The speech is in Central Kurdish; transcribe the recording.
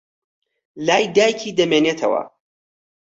لای دایکی دەمێنێتەوە.